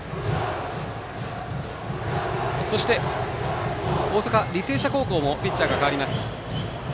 そして大阪、履正社高校もピッチャーが代わります。